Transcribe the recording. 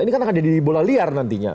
ini kan akan jadi bola liar nantinya